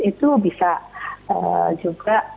itu bisa juga